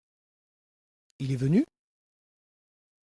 Il est venu ?